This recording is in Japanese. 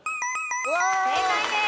正解です。